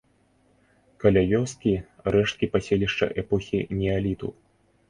Каля вёскі рэшткі паселішча эпохі неаліту.